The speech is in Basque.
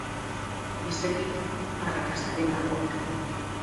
Bestetik, arrakastaren gakoak.